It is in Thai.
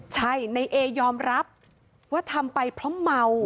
ใช่ในเอยอมรับว่าทำไปเพราะเมา